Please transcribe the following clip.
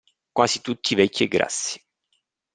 Quasi tutti vecchi e grassi.